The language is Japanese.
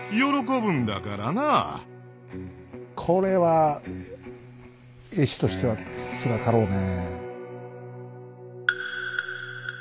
これは絵師としてはつらかろうね。